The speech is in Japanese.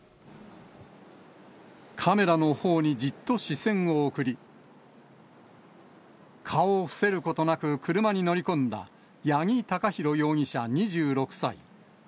カメラのほうにじっと視線を送り、顔を伏せることなく、車に乗り込んだ、八木貴寛容疑者２６歳。